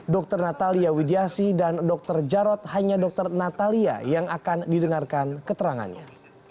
dr natalia widiasi dan dr jarod hanya dr natalia yang akan didengarkan keterangannya